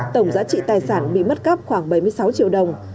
tổng giá trị tài sản bị mất cắp khoảng bảy mươi sáu triệu đồng